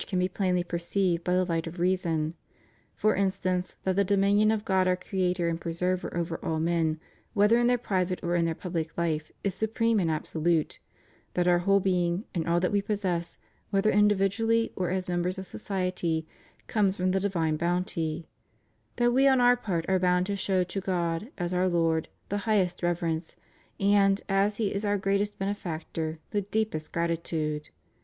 533 can be plainly perceived by the light of reason; for in stance, that the dominion of God our Creator and Pre server over all men, whether in their private or in their public life, is supreme and absolute; that our whole being and all that we possess, whether individually or as members of society, comes from the divine bounty; that we on our part are bound to show to God, as Our Lord, the highest reverence, and, as He is our greatest benefactor, the deepest gratitude.